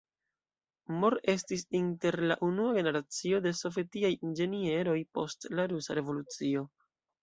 Moore estis inter la unua generacio de sovetiaj inĝenieroj post la Rusa Revolucio.